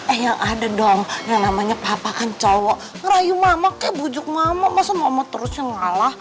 eh yang ada dong yang namanya papa kan cowok ngerayu mama ke bujuk mama masa mama terusnya ngalah